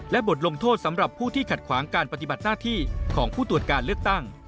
และบทลงโทษสำหรับผู้ที่ขัดขวางการปฏิบัติหน้าที่ของผู้ตรวจการเลือกตั้ง